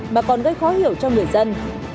mà còn gây khó hiểu cho người dân